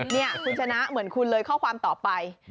นี่คุณชนะเหมือนคุณเลยข้อความต่อไป